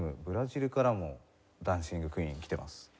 ブラジルからもダンシング・クイーン来てます。